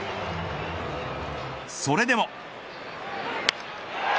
それでも。